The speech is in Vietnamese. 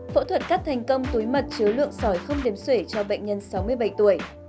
phẫu thuật cắt thành công túi mật chứa lượng sỏi không điếm sủy cho bệnh nhân sáu mươi bảy tuổi